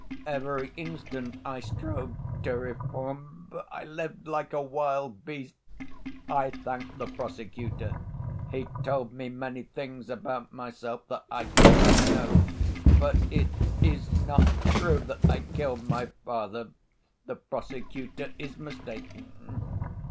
Every instant I strove to reform, but I lived like a wild beast. I thank the prosecutor, he told me many things about myself that I did not know; but it's not true that I killed my father, the prosecutor is mistaken.